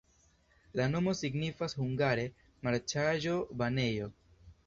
La nomo signifas hungare: marĉaĵo-banejo.